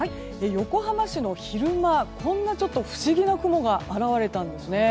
横浜市の昼間こんな不思議な雲が現れたんですね。